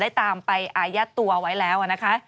ได้ตามไปอายัดตัวไว้แล้ว